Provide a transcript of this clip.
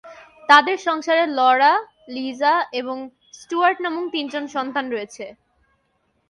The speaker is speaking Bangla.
তাদের সংসারে লরা, লিজা এবং স্টুয়ার্ট নামীয় তিন সন্তান রয়েছে।